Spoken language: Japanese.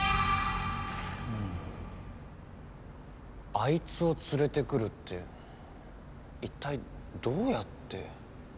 あいつをつれてくるっていったいどうやって。